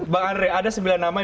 pak andre ada sembilan nama yang